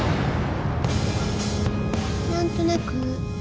何となく。